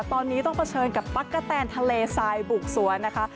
ตอนนี้ต้องเผชิญกับตั๊กกะแตนทะเลทรายบุกสวนนะคะ